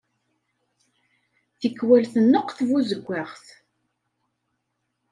Tikkwal tneqq tbuzeggaɣt.